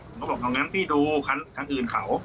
ผมก็บอกดังนั้นพี่ดูขั้นอื่นเขา